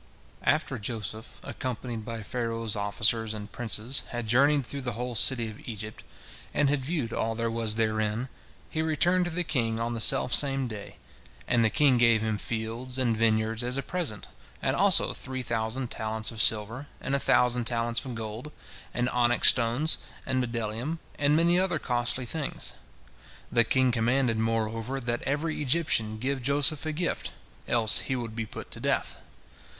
After Joseph, accompanied by Pharaoh's officers and princes, had journeyed through the whole city of Egypt, and viewed all there was therein, he returned to the king on the selfsame day, and the king gave him fields and vineyards as a present, and also three thousand talents of silver, and a thousand talents of gold, and onyx stones and bdellium, and many other costly things. The king commanded, moreover, that every Egyptian give Joseph a gift, else he would be put to death.